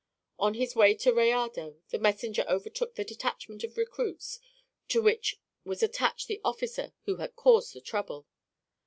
On his way to Rayado, the messenger overtook the detachment of recruits to which was attached the officer who had caused the trouble.